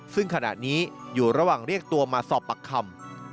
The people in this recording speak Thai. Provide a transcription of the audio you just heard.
ซึ่งขณะนี้อยู่ระหว่างเรียกตัวมาสอบปากคำ